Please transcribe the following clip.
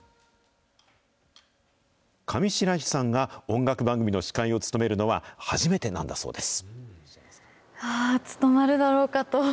上白石さんが音楽番組の司会を務めるのは、初めてなんだそうです。